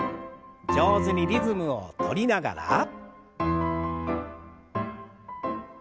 上手にリズムをとりながら。